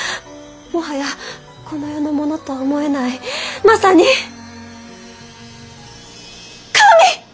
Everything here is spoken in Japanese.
もはやこの世のものとは思えないまさに神！